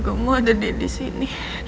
gue mau ada dia disini